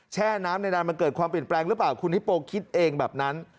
แช่น้ำในนานมันเกิดความเปลี่ยนแปลงหรือเปล่าคุณฮิโปคิดเองแบบนั้น